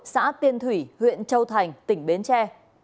xã tiên thủy huyện châu thành tỉnh bến tre